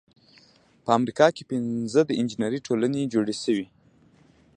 په امریکا کې پنځه د انجینری ټولنې جوړې شوې.